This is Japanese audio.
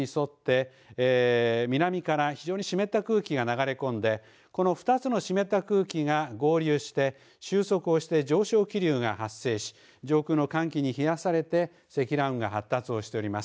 それから高気圧の周辺部に沿って南から非常に湿った空気が流れ込んでこの２つの湿った空気が合流して収束をして上昇気流が発生し上空の寒気に冷やされて積乱雲が発達をしております。